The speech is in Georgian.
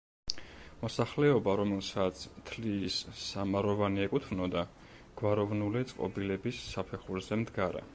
მოსახლეობა, რომელსაც თლიის სამაროვანი ეკუთვნოდა, გვაროვნული წყობილების საფეხურზე მდგარა.